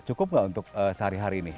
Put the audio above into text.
cukup nggak untuk sehari hari ini